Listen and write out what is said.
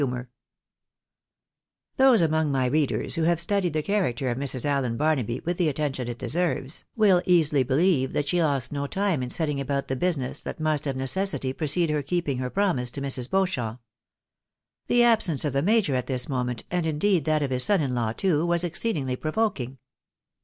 CHAPTER XIV Those among my readers who have studied the character of Mrs. Allen Barnaby with the attention it deserves, will easily believe that she lost no time in settmg about the business that must of necessity precede her keeping her promise to IVIrs. Beauchamp. The absence of the major at this moment, and indeed that of Ms son in law too, was exceedingly provokiug.